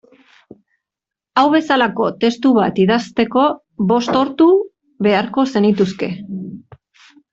Hau bezalako testu bat idazteko bost ordu beharko zenituzke.